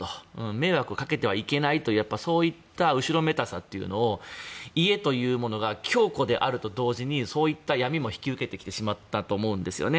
迷惑をかけてはいけないというそういった後ろめたさというのを家というものが強固であると同時にそういった闇も引き受けてきてしまったと思うんですね。